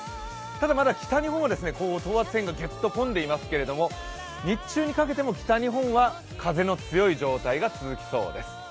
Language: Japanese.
ただ、まだ北日本は等圧線がギュッと込んでいますけれども日中にかけても北日本は風の強い状態が続きそうです。